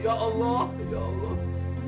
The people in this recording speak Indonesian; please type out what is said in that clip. ya allah ya allah